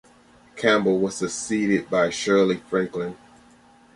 Campbell was succeeded by Shirley Franklin.